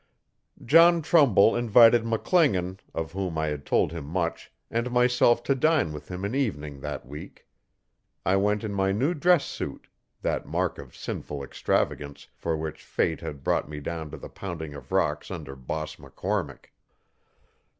John Trumbull invited McClingan, of whom I had told him much, and myself to dine with him an evening that week. I went in my new dress suit that mark of sinful extravagance for which Fate had brought me down to the pounding of rocks under Boss McCormick.